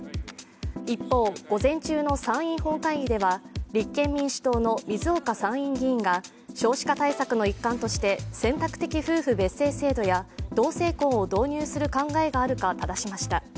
一方、午前中の参院本会議では立憲民主党の水岡参院議員が少子化対策の一環として選択的夫婦別姓制度や同性婚を導入する考えがあるかただしました。